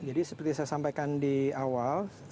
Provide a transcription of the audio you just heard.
seperti saya sampaikan di awal